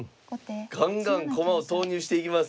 ガンガン駒を投入していきます。